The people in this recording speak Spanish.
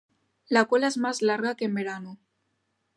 La cola es más larga que en verano.